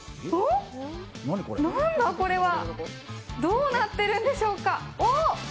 なんだ、これはどうなってるんでしょうか？